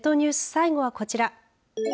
最後はこちら。